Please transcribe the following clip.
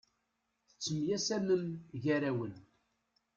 Tettemyasamem gar-awen.